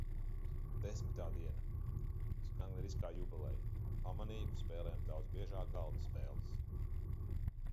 Desmitā diena. Skan gandrīz kā jubileja. Pamanīju, ka spēlējam daudz biežāk galda spēles.